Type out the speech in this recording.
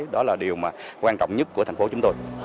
đó là điều mà quan trọng nhất của thành phố chúng tôi